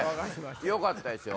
よかったですよ。